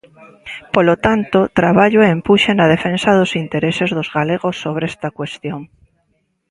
Polo tanto, traballo e empuxe na defensa dos intereses dos galegos sobre esta cuestión.